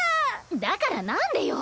だからなんでよ！